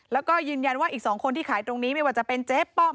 แล้วก็ยืนยันว่าอีก๒คนที่ขายตรงนี้ไม่ว่าจะเป็นเจ๊ป้อม